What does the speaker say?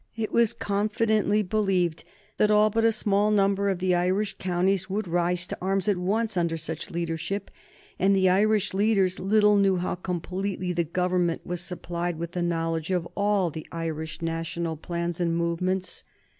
It was confidently believed that all but a small number of the Irish counties would rise to arms at once under such leadership, and the Irish leaders little knew how completely the Government was supplied with the knowledge of all the Irish national plans and movements.